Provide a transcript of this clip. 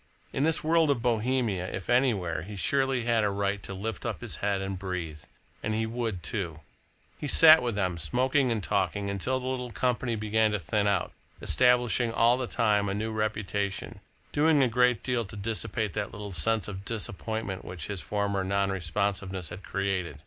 In this world of Bohemia, if anywhere, he surely had a right to lift up his head and breathe and he would do it. He sat with them, smoking and talking, until the little company began to thin out, establishing all the time a new reputation, doing a great deal to dissipate that little sense of disappointment which his former non responsiveness had created.